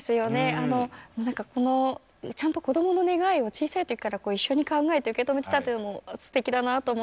何かちゃんと子どもの願いを小さいときから一緒に考えて受け止めてたというのもすてきだなと思って。